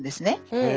へえ。